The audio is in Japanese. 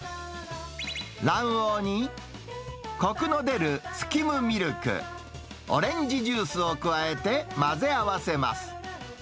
卵黄にこくの出るスキムミルク、オレンジジュースを加えて混ぜ合わせます。